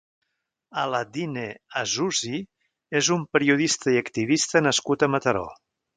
Alaaddine Azzouzi és un periodista i activista nascut a Mataró.